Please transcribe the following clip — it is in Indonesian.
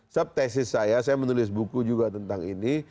sebab tesis saya saya menulis buku juga tentang ini